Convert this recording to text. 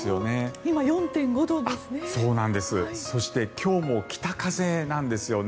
今、４．５度ですね。